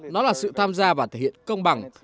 nó là sự tham gia và thể hiện công bằng